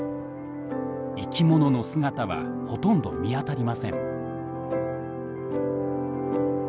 生きものの姿はほとんど見当たりません。